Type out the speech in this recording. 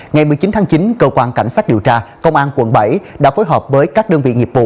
ngày một mươi chín tháng chín cơ quan cảnh sát điều tra công an quận bảy đã phối hợp với các đơn vị nghiệp vụ